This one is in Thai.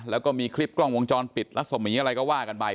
แล้วก็มีคลิปกล้องวงจรปิดรัศมีร์อะไรก็ว่ากันไป